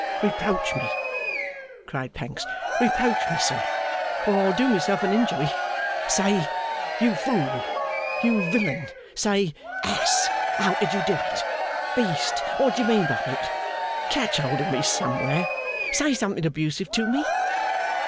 'Reproach me!' cried Pancks. 'Reproach me, sir, or I'll do myself an injury. Say, You fool, you villain. Say, Ass, how could you do it; Beast, what did you mean by it! Catch hold of me somewhere. Say something abusive to me!